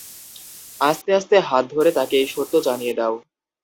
আস্তে আস্তে হাত ধরে তাকে এই সত্য জানিয়ে দাও।